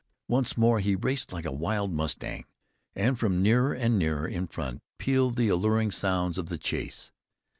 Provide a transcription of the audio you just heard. Once more he raced like a wild mustang. And from nearer and nearer in front pealed the alluring sounds of the chase.